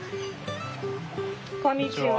こんにちは。